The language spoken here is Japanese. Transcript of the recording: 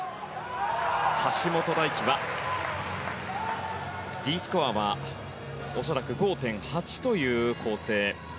橋本大輝はＤスコアは恐らく５．８という構成。